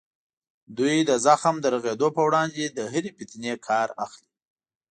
دوی د زخم د رغېدو په وړاندې له هرې فتنې کار اخلي.